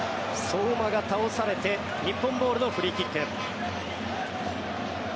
相馬が倒されて日本ボールのフリーキック。